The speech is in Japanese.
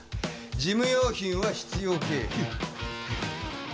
事務用品は必要経費えっ